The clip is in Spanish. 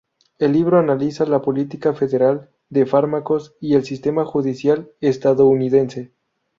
El libro analiza la política federal de fármacos y el sistema judicial estadounidense.